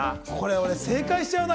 俺、正解しちゃうな。